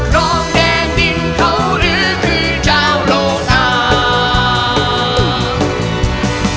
รองแดงดินเขาหรือคือเจ้าโลกทาง